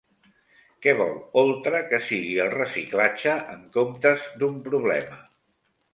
Què vol Oltra que sigui el reciclatge en comptes d'un problema?